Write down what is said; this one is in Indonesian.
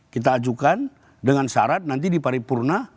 kita ajukan dengan syarat nanti di paripurna